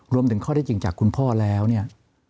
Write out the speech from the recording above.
รวมถึงข้อได้จริงจากคุณพ่อแล้วเนี่ย